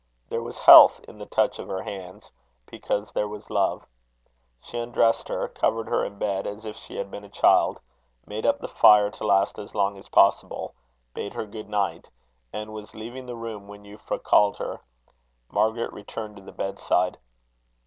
There was health in the touch of her hands, because there was love. She undressed her; covered her in bed as if she had been a child; made up the fire to last as long as possible; bade her good night; and was leaving the room, when Euphra called her. Margaret returned to the bed side.